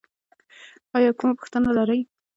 ایا کومه پوښتنه لرئ؟